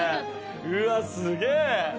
うわすげえ！